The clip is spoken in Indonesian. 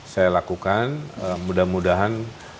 saya lakukan mudah mudahan